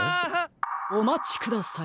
おまちください。